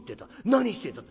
『何してた？』